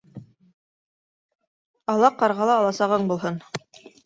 Ала ҡарғала аласағың булһын